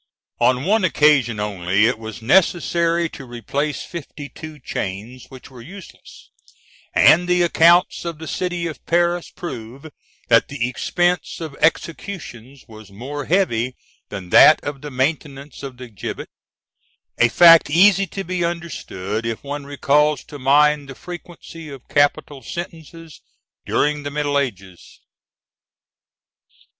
On one occasion only it was necessary to replace fifty two chains, which were useless; and the accounts of the city of Paris prove that the expense of executions was more heavy than that of the maintenance of the gibbet, a fact easy to be understood if one recalls to mind the frequency of capital sentences during the Middle Ages.